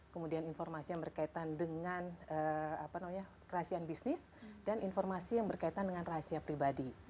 kemudian informasi yang berkaitan dengan rahasiaan bisnis dan informasi yang berkaitan dengan rahasia pribadi